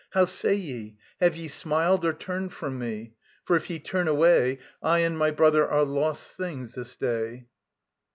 How say ye? Have ye smiled Or turned from me? For if ye turn away, I and my brother are lost things this day.